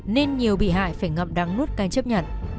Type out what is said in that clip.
nên nhiều bị hại phải ngậm đăng nút càng chấp nhận